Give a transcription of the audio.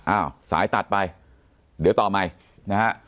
อ้าวสายตัดไปเดี๋ยวต่อใหม่นะฮะ